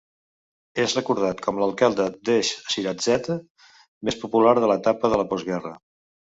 És recordat com l'alcalde d'Esch-sur-Alzette més popular de l'etapa de la postguerra.